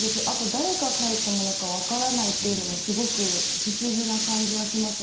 誰が書いたか分からないというのもすごく不思議な感じはしますね。